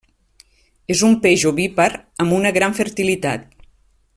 És un peix ovípar amb una gran fertilitat.